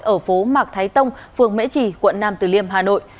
ở phố mạc thái tông phường mễ trì quận nam từ liêm hà nội